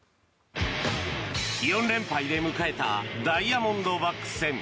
４連敗で迎えたダイヤモンドバックス戦。